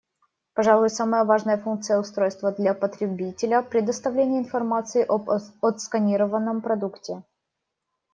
Пожалуй, самая важная функция устройства для потребителя — предоставление информации об отсканированном продукте.